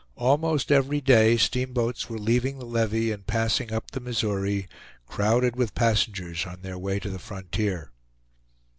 Almost every day steamboats were leaving the levee and passing up the Missouri, crowded with passengers on their way to the frontier.